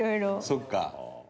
そっか。